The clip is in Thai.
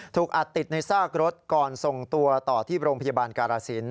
ถูกอัดติดในซากรถก่อนส่งตัวต่อที่โรงพยาบาลการาศิลป